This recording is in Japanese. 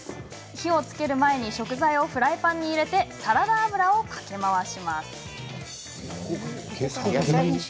火をつける前に食材をフライパンに入れてサラダ油を回しかけます。